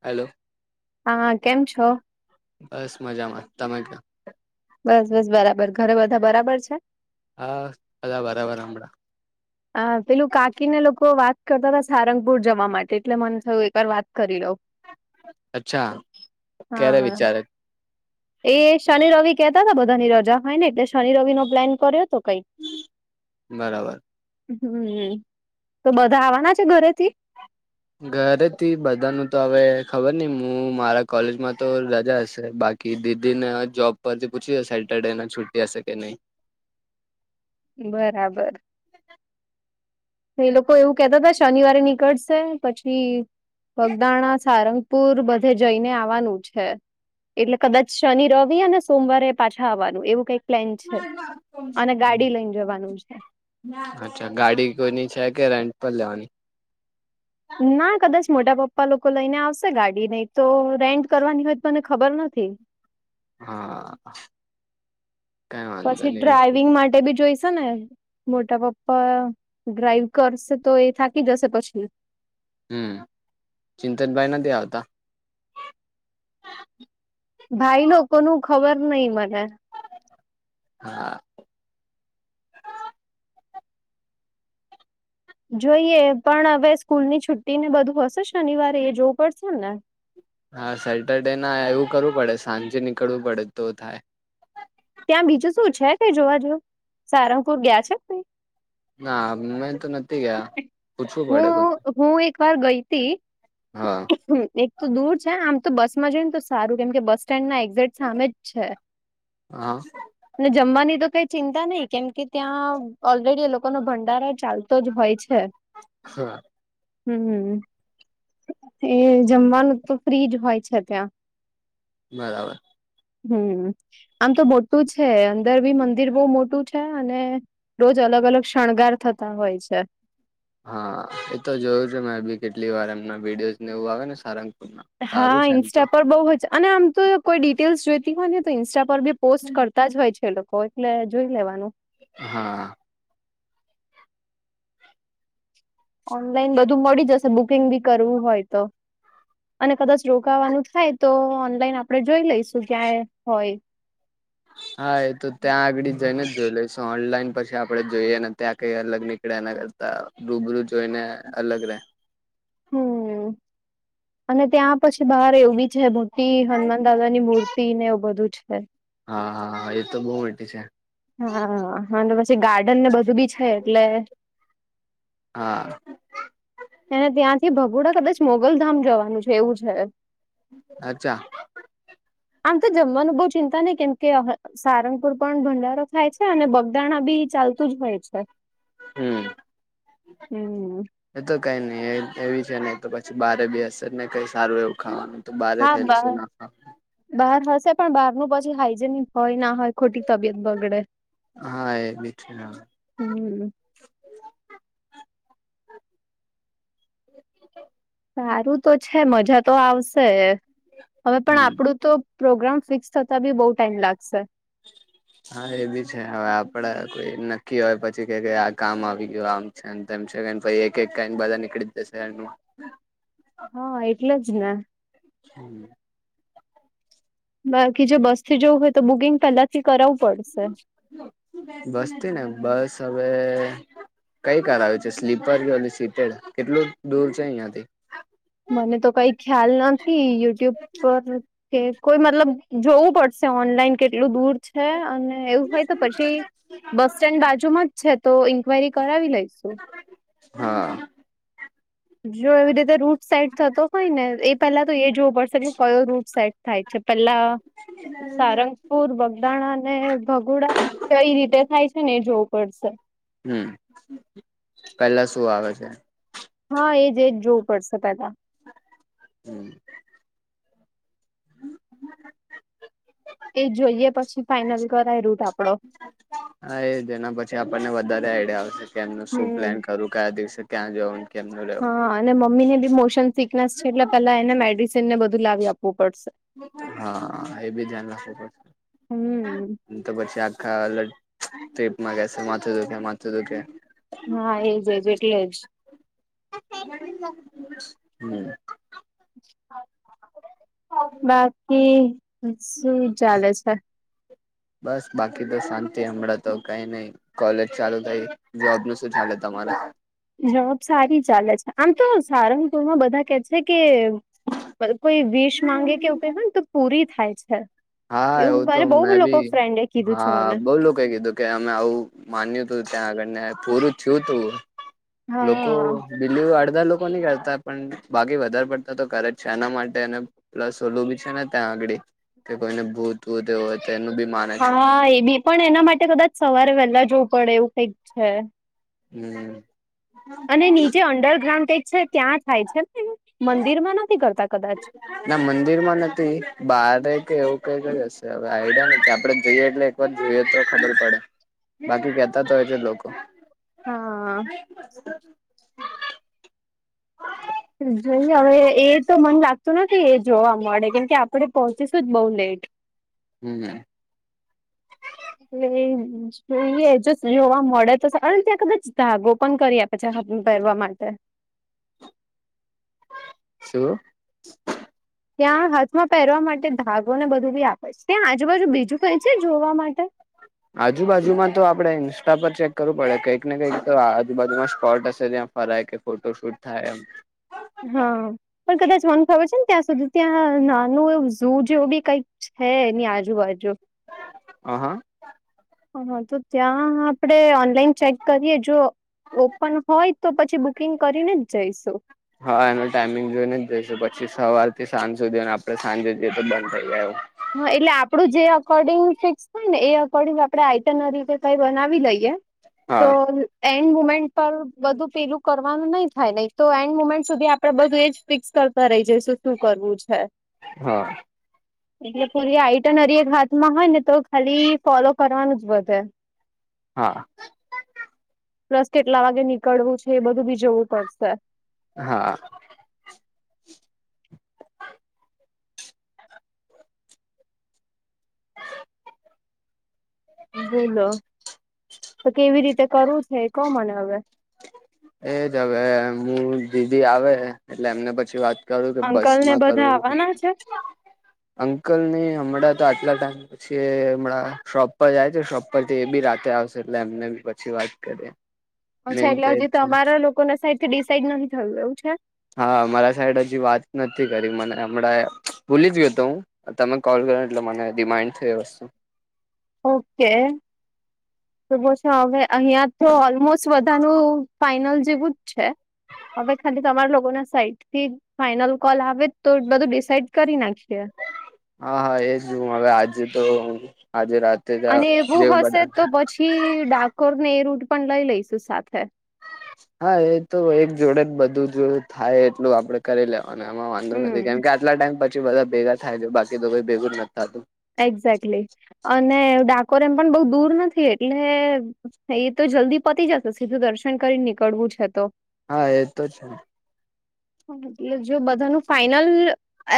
Hello હા કેમ છો બસ મજામાં તમે ક્યા બસ બસ બરાબર ઘરે બધા બરાબર છે હા અ બરાબર હમણા આ પેલું કાકીને લોકો વાત કરતા હતા સારંગપુર જવા માટે એટલે મને થયું એકવાર વાત કરી લોઉ અચ્છા ક્યારે હા વિચારે એ શનિ રવિ કેહેતા હતા બધાની રજા હોય ને એટલે શનિ રવિ નો પ્લાન કર્યો હતો કઈક બરાબર હમ તો બધા આવવાના છે ઘરેથી ઘરેથી બધા ન તો હવે ખબર નઈ હું મારા કોલેજમાં તો રજા હશે બા કે દીદી ને જોબ પરથી પૂછી સેટરડે ને છુટી હશે કે નઈ બરાબર એ લોકો એવું કેતા હતા શનિવારે નીકળશે પછી વગદાણા સારંગપુર બધે જઈને આવાનું છે એટલે કદાચ શનિ રવી અનેને સોમવારે પાછા આવવાનું એવું કઈક પ્લેન છે અને ગાડી લઈને જવાનું છે અચ્છા ગાડી કોઈની છે કે રેન્ટ પર લેવાની ના કદાચ મોટા પપ્પા લોકો લઈને આવશે ગાડી નને તો રેન્ટ કરવાની હોય મને ખબર નથી હા કઈ વાંધો પછી નહી ડ્રાઈવિંગ માટે બી જોઈશ ને મોટા પપ્પા ડ્રાઈવ કરશે તો એ થાકી જશે પછી હમ ચિંતનભાઈ નથી આવતા ભાઈ ન કોનું ખબર નઈ મને હા જોઈએ પણ હવે સ્કૂલ ની છુટ્ટી ને બધું હશે શનિવારે એ જોવું પડશે ને હા સેટરડે ના એવું કરવું પડે સાંજે નીકળવું પડે તો થાય ત્યાં બીજું શું છે કઈ જોવા જ સારંગપુર ગયા છે ના મેમે તો નથી ગયા પૂછવું પડે કોઈ હું હું એક વાર ગઈ હતી હા એક તો દૂર છે આમ તો બસમાં જોઈ ને તો સારું કેમ કે બસ સ્ટેન્ડ ના એક્ઝેક સામે જ છે હા અને જમવાની તો કઈ ચિંતા નહીિ કેમ કે ત્યાં ઓલરેડી એ લોકો ન ભંડારણ ચાલ તો જ હોય છે હા હમ હમ એ જમવાનું તો ફ્રી જ હોય છે ત્યાં બરાબર હમ આમ તો મોટું છે અંદર બી મંદિર બહ મોટું છે. છે અને રોજ અલગ અલગ શણગાર થતા હોય છે. હા એ તો જોયું છે મેં બી કેટલી વાર એમના વિડીયોઝ ને એવું આવે ને સારંગપુર ના હા સારું છે એમ તો ઇન્સ્ટા પર બઉુ જ અને આમ તો કોઈ ડિટેલ્સ જોઈતી હોય ને તો ઇન્સ્ટા પર બી પોસ્ટ કર તા જ હોય છે એ લોકો એટલે જોઈ લેવાનું હા ઓનલાઈન બધું મળી જશે બુકિંગ બી કરવું હોય તો અને કદાચ રોકાવાનું થાય તો ઓનલાઈન આપડે જોઈ લઈશું ક્યાય હોય હા એ તો ત્યાં આગળ જઈને જ જોઈ લઈશ ઓનલાઈન પછી આપડે જોઈએ ને ત્યાં કઈ અલગ નીકળ્યા રૂબરૂ જોઈને અલગ રે હમ અને ત્યાં પછી બહાર એવું બી છે મોટી હનુમાન દાદાની મૂર્તિ તીન એવું બધું છે. હા હા હા એ તો બહુ મોટી છે. હા હા પછી ગાર્ડન ને બધું બી છે એટલે હા ત્યારે ત્યાંથી ભગોડાથી કદાચ મોગલધામ જવાનું છે એવું છે અચ્છા આમ તો જમવાનું બહઉ ચિંતા નહ કેમ કે સારંગપુર પણ ભંડારો થાય છે અને બગદાણા બી ચાલતું જ હોય છે હમ હમ એ તો કઈ નઈ એવી છે ને તો પછી બહારે બી હશે ને કઈ સારું એવું ખાવાનું તો બારે હા ખાઈ બાર લઈશું ના બહાર હશે પણ બહારનું પછી હાઈજેનિક હોય ના હોય ખોટી તબિયત બગડે હા એ બી છે હમ હમ સારું તો છે મજા તો આવશે હવે પણ આપડું તો પ્રોગ્રામ ફિક્સ થતા બી બહુ ટાઈમ લાગશે હા એ બી છે હવે આપડે કોઈ નક્કી હોય પછી કે આ કામ આવી ગયું આમ છ તને પછ એક એક કઈ બધાર નીળી જશે હા એટલે જ નાને હમ બાકી જો બસ થી જવું હોય તો બુકિંગ પેલા થી કરાવવું પડશે બસથી ને બસ હવે કઈ કાર આવે છે સ્લીપર કે સીપેડ કેટલું દૂર છે અહિયાંથી મને તો કઈ ખ્યાલ નથી યુટ્યુબ પર કે કોઈ મતલબ જોવું પડશે ઓનલાઈન કેટલું દૂર છે અને એવું હોય તો પછી બસ સ્ટેન્ડ બાજુમાં છે તો ઇન્ક્વાયરી કરાવી લઈશુ હા જો એવી રીતે રૂટ સાઇડ થતો હોય ને એ પેલા તો એ જોવું પડશે કે કયો રૂટ સાઇડ થાય છે. પહેલા સારંગ પુર બગદાણા અને ભઘોડા તે કઈ રીતે થાય છે ને એ જોવું પડશે હમ પેલા શું આવે છે હા એજ એજ જોવું પડશે પેલાા હમ એ જોઈએ પછી ફાાઈનલ કરાય રૂટ આપડો હા એજ એના પછી આપણને વધારે આઈડિયા આવશે કે એમનું શું હમ પ્લાન કરવું કયા દિવસે ક્યાં જવાનું હા અને મમ્મી ને બી મોશન સિકનેસ છે એટલે પેલા એને મેડિસન ને બધું લાવી આપવું પડશે હા એ બી ધ્યાન રાખવું પડશે હમ તો પછી આખા અલગ ટ્રીપમાં કહેશે માથું દુઃખે માથું દુઃખે હા એજ એજ એટલે જ હમ બાકી શું ચાલે છે [inaudible] [unintelligible] બસ બાકી તો શાંતિ હમણાં તો કઈ નહી કોલેજ ચાલુ થાય જોબ નું શું ચાલે તમારે જોબ સારી ચાલે છે આમ તો સારંગપુરમાં બધા કે છે કે પલ કોઈ વીશ માંગે કે હોયને તો પૂરી થાય છે હા એવું આયો તો મારે બહુ મેં લોકો ભી ફ્રેન્ડે કીધું છે મને બવ લોકાય ગ્યોતો કે અમે આવું માન્યું તું ત્યાં આગળને પૂરું થયું તું લોકો હા બિલી અડધા લોકો કરતા પણ બાકી વધારે પડતા તો કરે જ છે એના માટે અને પ્લસ ઓલું બી છે ને ત્યાં આગળ કે કોઈને ભૂત હોય એનું બી મા હા એ બી પણ એના માટે કદાચ સવારે વહેલા જોવું પડે એવું કઈક છે હમ અને નીચે અંડરગ્રાઉન્ડ કઈક છે ત્યાં થાય છે ને મંદિર માં નથી કરતા કદાચ ના મંદિરમાં નથી બારે કે એવું કઈ કરી હશે હવે આઈડિયા નથી આપડે જઈએ એટલે જોઈએ તો ખબર પડે બાકી કેતા તો હોય છે લોકો [unintelligible] હા જોઈએ હવે એ તો મન લાગતું નથી એ જોવા મળે કેમ કે આપડે પોહોંચીશું જ બહુ લેટ હમ એ જોઈએ જો જોવા મળે તો અને ત્યાં કદાચ ધાગો પણ કરી આપ અચ્છા હાથમા પેરવા માંગતા હોય શું ત્યાં હાથમાં પહેરવા માટે ધાગો ને બધું બી આપે છે ત્યાં આજુબાજુ બીજું કઈ છે જોવા માટે આજુબાજુમાં તો આપણે ઇન્સ્ટા પર ચેક કરવું પડે કંઈક ને કંઈક તો આજુબજુમાં સ્પોટ હશે ત્યાં ફરાય કે ફોટો શૂટ થાય એમ હા પણ કદાચ મને ખબર છે ને ત્યાં સુધી ત્યાં નાનું ું જેવું બી કઈક છે ની આજુબાજુ હ હા હ તો ત્યાં આપડણે ઓનલાઈન ચેક કરીએ જો ઓપન હોય તો પછી બુકિંગ કરીને જ જઈશું હા એનો ટાઈમિંગ જોઈને જ જઈશું પછી સવાર થી સાંજ સુધીને આપડણે સાંજે જઈએ તો બંધ થઈ ગાય હા એટલે આપડું જે અકોર્ડિંગ ફિક્સ થય ને એ અકોર્ડિંગ આપડે આઈટન રીતે કઈ બનાવી લઈએ તો હા એન્ડ મુમેન્ટ પર બધું પેલું કરવાનું નહી થાય નહીિ તો એન્ડ મુમેન્ટ સુધી આપડે બધું એજ ફિક્સ કર ઈ જઈશું શું કરવું છે હા એટલે પૂરી આઈટન હરી એક હાથમાં હોય ને તો ખાલી ફોલો કરવાનું જ વધે હા પ્લસ કેટલા વાગે નીકળવું છે એ બધું બી જોવું પડશે હા બોલો તો કેવી રીતે કરવું છે કો મને હવે એજ હવે હું દીદી આવે એટલે એમને પછી વાત કરું કે બસ અંકલ ને માં બધા કરવું આવવાના છે અંકલ નહી હમણાં તો આટલા ટાઈમ પછી એ હમણાં શોપ પર જાય છે શોપ પરથી એ બી રાતે આવશે એટલે એમને બી પછી વાત કરી અચ્છા એટલે હજી તમારા લોકો ના સાઈડ થી ડિસાઇડ નથી થયું એવું છે હા મારા સાઈડ હજી વાત નથી કરી મને હમણાં ભૂલી જ ગયો હતો હું તમે કોલ કરો એટલે મને રીમાન્ડ થય એ વસ્તુ ઓકે છે હવે અહિયાં તો ઓલમોસ્ટ વધાનું ફાઈનલ જેવું જ છે હવે ખાલી તમારા લોકો ના સાઈટ થી ફાઈનલ કોલ આવે તો બધું ડિસાઈડ કરી નાખીએ હા હા એ જું હવે આજે તો આજે રાતે જ અને એવું જેવું હશે બધા તો પછી ડાકોર ને એ રૂટ પણ લઈ લઈશું સાથે હા એ તો એક જોડે ને બધું જોટલું થાય એટલું આપડે કરી લેવા અને એમાં વાંધો હમ નથી કેમ કે આટલા ટાઈમ પછી બધા ભેગા થાય છે બાકી તો કોઈ ભેગું જ નથીતાતું એક્ઝેક્ટલી અને ડાકોર એમ પણ બહ દૂર નથી એટલે એ તો જલ્દી પતી જશે સીધું દર્શન કરી નીકળવું છે તો હા એ તો છે એટલે જો બધાનું ફાાઈનલ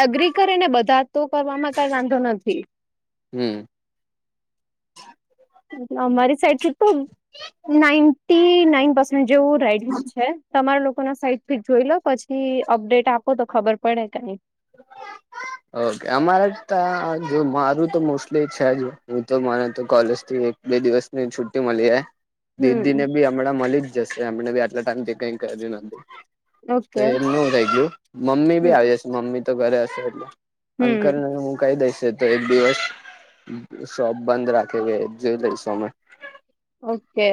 એગ્રી કરે ને બધા તો કરવામાં કઈ વાંધો નથી હમ્મ અમારી સાઈડથી તો નાઇટી નાઇન જેવું રાઈડિંગ છે તમારા લોકો ના સાઈડ થી જોઈ લો પછી અપડેટ આપો તો ખબર પડે કઈ ઓકે અમારે જો મારું તો મોસ્ટલી છે જ હું તો મને તો કોલેજ થી બે દિવસની છુટ્ટી મળી જાય દીદી ને હમ બી હમણાં મળી જ જશે હમને બી આટલા ટાઈમ થી કરિયું નથી તો ઓકે એમનું રહી ગયું મમ્મી બી હમ આવી જશે મમ્મી તો ઘરે હશેજ એટલે અંકલ હમ કહી દઈસે તો એક દિવસ શોપ બંધ રાખે ગ જોઈ લઈશું અમે ઓકે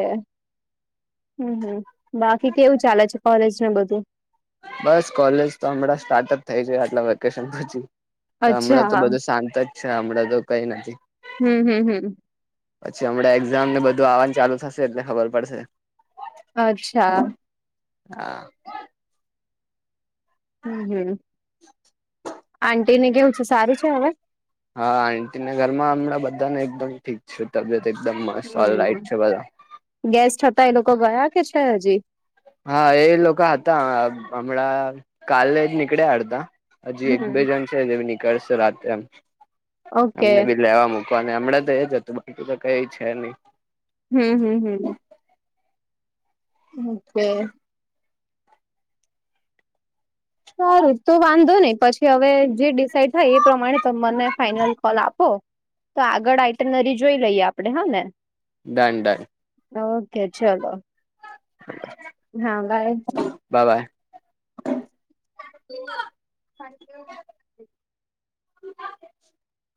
હમ્મ હમ્મ બાકી કેવું ચાલે છે કોલેજને બધું બસ કોલેજ તો હમણાં સ્ટાર્ટ જ થઈ જાય આટલા વેકેશન પછી અચ્છા હમણાં તો હા બધું શાંત જ છે હમણાં તો કઈ નથી હમ હમ હમ પછી હમણાં એક્ઝામ ને બધું આવવાનું ચાલુ થશે એટલે ખબર પડશે અચ્છા હા હમ્મ આટીને કેવું છે સારું છે હવે હા આટીના ઘર માં હમણાં બધાને એકદમ ઠીક છ તબિત ઓ હમ રાઈટ છે બધા ગેસ્ટ હતા એ લોકો ગયા કે છે હજી હા એ લોકો હતા હમણાં કાલે જ નીકળ્યાડ હતા હજી એક બે હમ જણ છે એ નીકળશે રાતે એમ ઓકે અમને બી લેવા મક અને હમને તો એજ હતું બાકી તો કઈ છે નહી હમ્મ હમ્મ હમ્મ ઓકે સર તો વાંધો નહી પછી હવે જે થાય એ પ્રમાણે ત મને ફાઈનલ કોલ આપો તો આગળ આઈટનરી જોઈ લઈએ આપડણે હા ને ડન ડન બાય ઓકે ચલો હા બાય બાય બાય [inaudible] અ [unintelligible]